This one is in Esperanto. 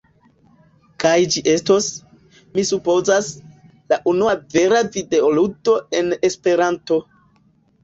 kaj ĝi estos, mi supozas, la unua vera videoludo en Esperanto.